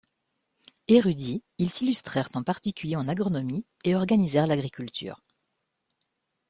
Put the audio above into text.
Érudits, ils s'illustrèrent en particulier en agronomie et organisèrent l'agriculture.